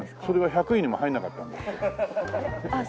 それは１００位にも入んなかったんだって。